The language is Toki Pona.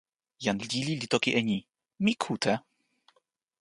jan lili li toki e ni: "mi kute".